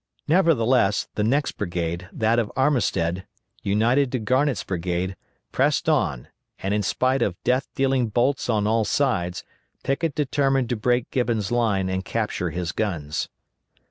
Nevertheless, the next brigade that of Armistead united to Garnett's brigade, pressed on, and in spite of death dealing bolts on all sides, Pickett determined to break Gibbon's line and capture his guns.